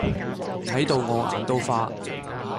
睇到我眼都花